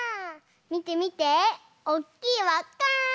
みてみておっきいわっか！